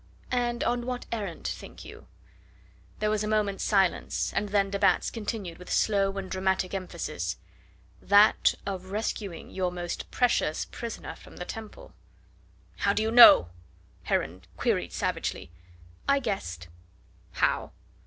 "And on what errand, think you?" There was a moment's silence, and then de Batz continued with slow and dramatic emphasis: "That of rescuing your most precious prisoner from the Temple." "How do you know?" Heron queried savagely. "I guessed." "How?"